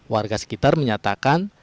warga sekitar menyatakan